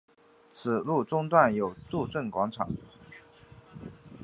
此路中段有诸圣广场。